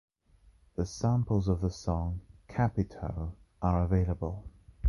The samples of the song “Capito?” are available.